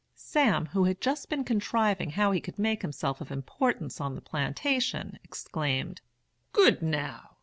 "Sam, who had just been contriving how he could make himself of importance on the plantation, exclaimed: 'Good, now!